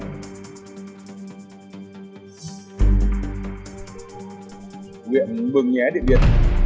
nguyện bường nhé điện biệt